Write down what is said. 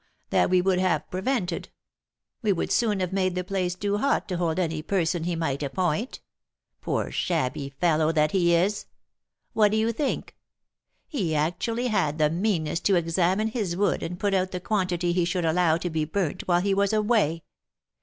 That we would have prevented; we would soon have made the place too hot to hold any person he might appoint, poor, shabby fellow that he is! What do you think? He actually had the meanness to examine his wood and put out the quantity he should allow to be burnt while he was away.